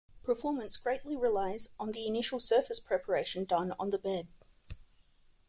Performance greatly relies on the initial surface preparation done on the bed.